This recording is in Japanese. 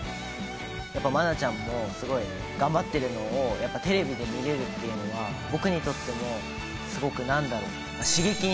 やっぱ愛菜ちゃんもすごい頑張ってるのをテレビで見れるっていうのは僕にとってもすごくなんだろう刺激になるし。